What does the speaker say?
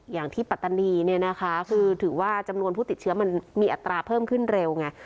อย่างที่ปัตตานีเนี่ยนะคะคือถือว่าจำนวนผู้ติดเชื้อมันมีอัตราเพิ่มขึ้นเร็วไง